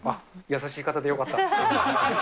優しい方でよかった。